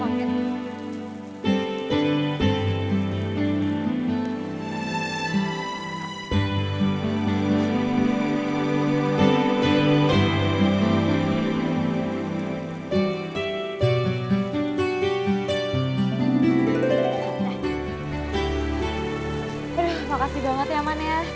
udah makasih banget ya aman ya